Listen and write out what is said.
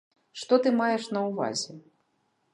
Што ты маеш на ўвазе?